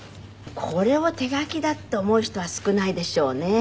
これを手描きだって思う人は少ないでしょうね。